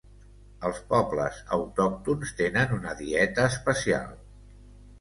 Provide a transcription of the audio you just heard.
Els pobles autòctons tenen una dieta especial.